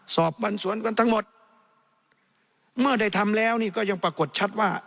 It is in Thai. สอบสวนกันทั้งหมดเมื่อได้ทำแล้วนี่ก็ยังปรากฏชัดว่า